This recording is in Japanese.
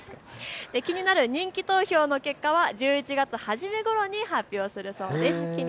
気になる人気投票の結果は１１月初めごろに発表するそうです。